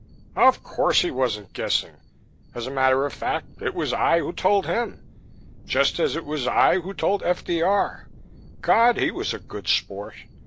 "Of course he wasn't guessing. As a matter of fact, it was I who told him. Just as it was I who told F.D.R. God! He was a good sport.